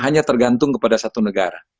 hanya tergantung kepada satu negara